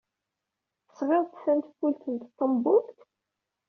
Tesɣid-d tanfult n tṭembult?